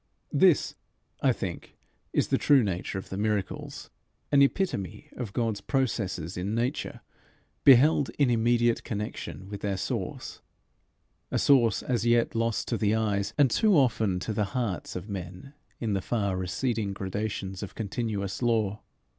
This, I think, is the true nature of the miracles, an epitome of God's processes in nature beheld in immediate connection with their source a source as yet lost to the eyes and too often to the hearts of men in the far receding gradations of continuous law.